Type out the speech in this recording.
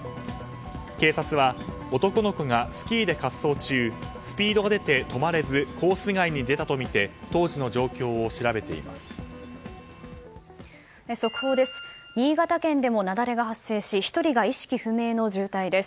警察は、男の子がスキーで滑走中スピードが出て止まれずコース外に出たとみて速報です。